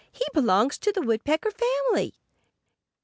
"He belongs to the Woodpecker family."